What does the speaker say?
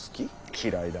嫌いだ。